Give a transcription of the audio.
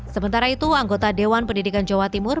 sementara itu anggota dewan pendidikan jawa timur